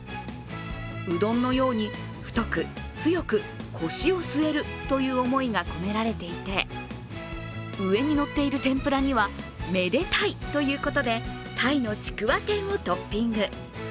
うどんのように太く、強く、腰を据えるという思いが込められていて、上にのっている天ぷらにはめで鯛ということで鯛のちくわ天をトッピング。